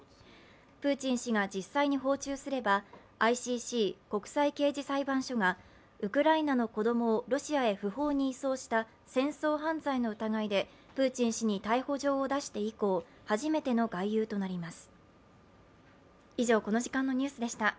プーチン氏が実際に訪中すればＩＣＣ＝国際刑事裁判所がウクライナの子供をロシアへ不法に移送した戦争犯罪の疑いでプーチン氏に逮捕状を出して以降初めての外遊となります。